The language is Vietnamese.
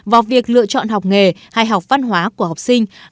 vào việc lựa chọn học nghề hay học văn hóa của học sinh